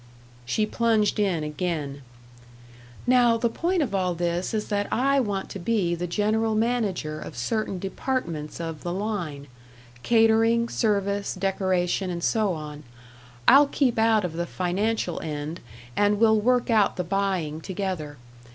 She plunged in again: "Now the point of all this is that I want to be the general manager of certain departments of the Line catering, service, decoration, and so on. I'll keep out of the financial end and we'll work out the buying together.